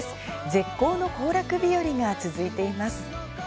絶好の行楽日和が続いています。